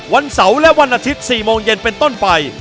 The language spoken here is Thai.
วันเสาร์และวันอาทิตย์๔โมงเย็นเป็นต้นไป